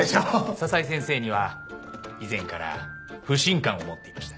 佐々井先生には以前から不信感を持っていました。